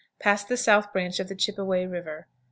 Pass the South Branch of the Chippeway River.